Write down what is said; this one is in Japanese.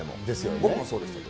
僕もそうでしたけど。